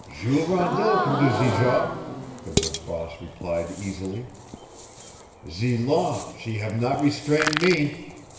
"Jules Rondeau can do ze job," the woods boss replied easily. "Ze law, she have not restrain' me.